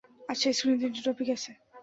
আচ্ছা, স্ক্রিনে তিনটা টপিক আছে।